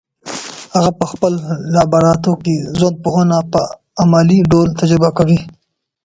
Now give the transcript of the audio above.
هغه په خپل لابراتوار کي ژوندپوهنه په عملي ډول تجربه کوي.